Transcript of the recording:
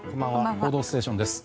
「報道ステーション」です。